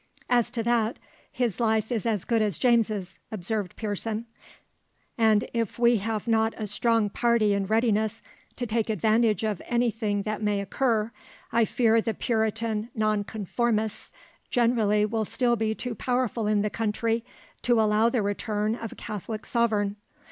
"As to that, his life is as good as James's," observed Pearson; "and if we have not a strong party in readiness to take advantage of any thing that may occur, I fear the Puritan Nonconformists generally will still be too powerful in the country to allow the return of a Catholic sovereign.